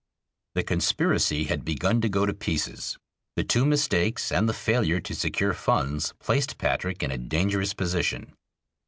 The conspiracy had begun to go to pieces. The two mistakes and the failure to secure funds placed Patrick in a dangerous position.